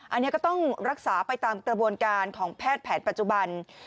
อันนี้ก็ต้องรักษาไปตามกระบวนการของแพทย์แผนปัจจุบัน